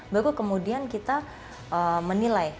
baru kemudian kita menilai